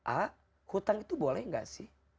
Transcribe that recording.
a hutang itu boleh nggak sih